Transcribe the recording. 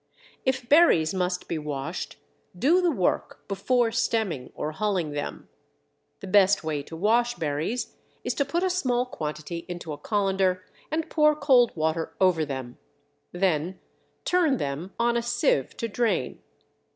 If berries must be washed, do the work before stemming or hulling them. The best way to wash berries is to put a small quantity into a colander and pour cold water over them; then turn them on a sieve to drain.